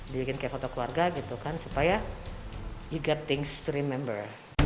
diinginkan foto keluarga gitu kan supaya you got things to remember